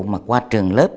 mà qua trường lớp